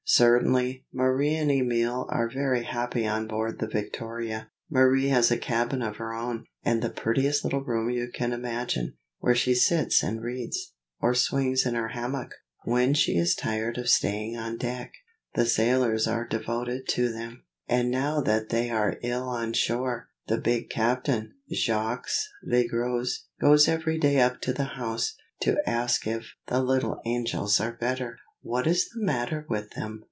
Certainly, Marie and Emil are very happy on board the Victoria. Marie has a cabin of her own, the prettiest little room you can imagine, where she sits and reads, or swings in her hammock, when she is tired of staying on deck. The sailors are all devoted to them, and now that they are ill on shore, the big captain, Jacques Legros, goes every day up to the house, to ask if 'the little angels are better?'" "What is the matter with them?"